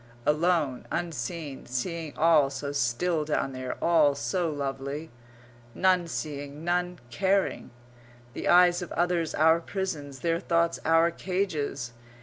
Alone, unseen; seeing all so still down there, all so lovely. None seeing, none caring. The eyes of others our prisons; their thoughts our cages.